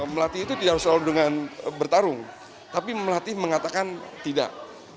melatih itu tidak harus selalu dengan bertarung tapi melatih mengatakan tidak